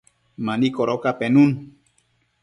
mani codoca penun